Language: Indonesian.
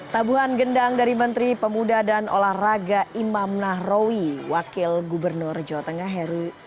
tabuhan gendang dari menteri pemuda dan olahraga imam nahrawi wakil gubernur jawa tengah heru